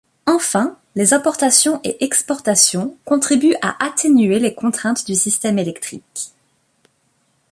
Enfin, les importations et exportations contribuent à atténuer les contraintes du système électrique.